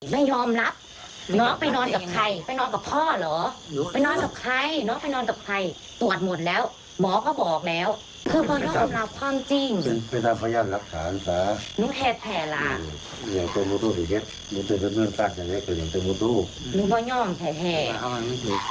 ไม่ยอมรับน้องไปนอนกับใครไปนอนกับพ่อเหรอ